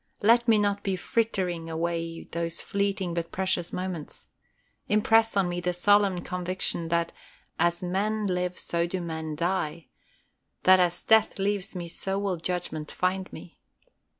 Let me not be frittering away these fleeting but precious moments. Impress on me the solemn conviction that "as men live so do men die," that as death leaves me so will judgment find me.